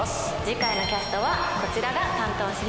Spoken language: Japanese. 次回のキャストはこちらが担当します。